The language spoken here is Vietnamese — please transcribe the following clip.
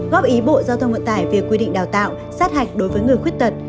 góp ý bộ giao thông vận tải về quy định đào tạo sát hạch đối với người khuyết tật